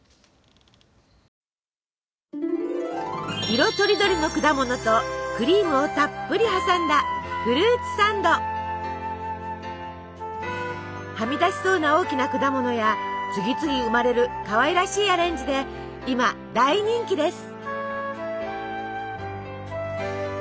色とりどりの果物とクリームをたっぷり挟んだはみ出しそうな大きな果物や次々生まれるかわいらしいアレンジで今大人気です！